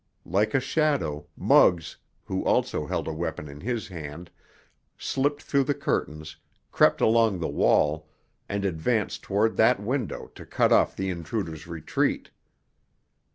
Like a shadow, Muggs, who also held a weapon in his hand, slipped through the curtains, crept along the wall, and advanced toward that window to cut off the intruder's retreat.